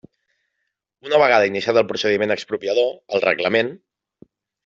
Una vegada iniciat el procediment expropiador, el reglament.